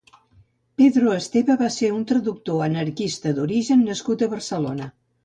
Pedro Esteve va ser un traductor anarquista d'origen nascut a Barcelona.